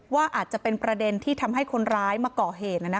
ว่าอาจจะเป็นประเด็นที่ทำให้คนร้ายมาก่อเหตุ